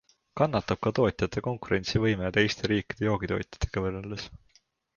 Kannatab ka tootjate konkurentsivõime teiste riikide joogitootjatega võrreldes.